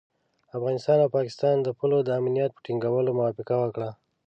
افغانستان او پاکستان د پولو د امنیت په ټینګولو موافقه وکړه.